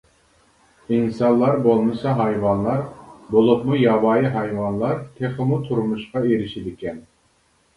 ئىنسانلار بولمىسا ھايۋانلار، بولۇپمۇ ياۋايى ھايۋانلار تېخىمۇ تۇرمۇشقا ئېرىشىدىكەن.